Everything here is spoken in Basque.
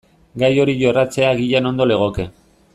Gai hori jorratzea agian ondo legoke.